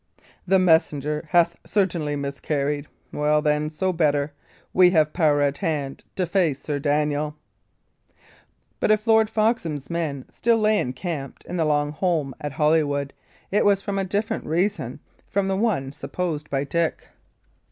The messenger hath certainly miscarried. Well, then, so better. We have power at hand to face Sir Daniel." But if Lord Foxham's men still lay encamped in the long holm at Holywood, it was from a different reason from the one supposed by Dick.